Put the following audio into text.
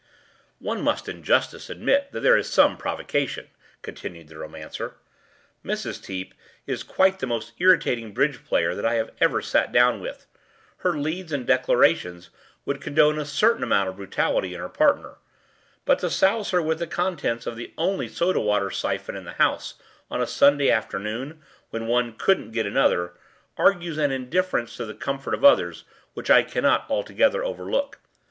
“One must in justice admit that there is some provocation,” continued the romancer. “Mrs. Teep is quite the most irritating bridge player that I have ever sat down with; her leads and declarations would condone a certain amount of brutality in her partner, but to souse her with the contents of the only soda water syphon in the house on a Sunday afternoon, when one couldn’t get another, argues an indifference to the comfort of others which I cannot altogether overlook.